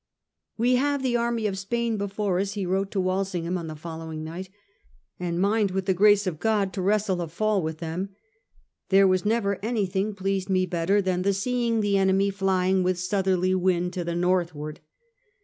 " We have the army of Spain before us," he wrote to Walsingham on the following nighty "and mind, with the grace of God, to wrestle a fall with them. There was never anything pleased me better than the seeing the enemy flying with a southerly wind to the northward.